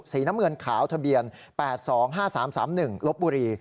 สีน้ำเงินขาวทะเบียน๘๒๕๓๓๑ลบบุรี